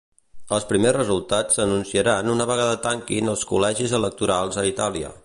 Els primers resultats s'anunciaran una vegada tanquin els col·legis electorals a Itàlia.